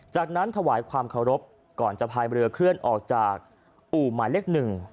จากนั้นถวายความเคารพก่อนจะพายเรือเคลื่อนออกจากอู่หมายเลข๑